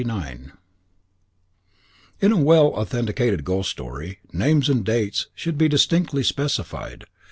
30 UP TRAIN In a well authenticated ghost story, names and dates should be distinctly specified.